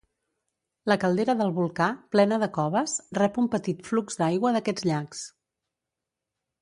La caldera del volcà, plena de coves, rep un petit flux d'aigua d'aquests llacs.